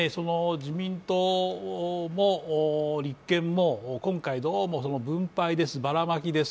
自民党も立憲も今回、どうも分配です、ばらまきです